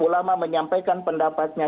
ulama menyampaikan pendapatnya